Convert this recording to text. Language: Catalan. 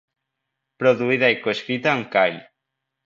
produïda i coescrita amb Kyle.